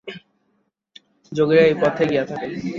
যোগীরা এই পথেই গিয়া থাকেন।